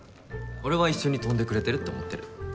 俺は一緒に飛んでくれてるって思ってる。